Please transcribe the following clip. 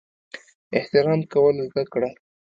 احترام کول زده کړه!